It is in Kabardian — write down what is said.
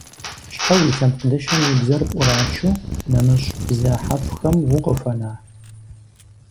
Щхьэ уи лъэпкъ дыщэм и бзэр пӀурачу нэмыщӀ бзэ хьэхухэм укъыхуэна?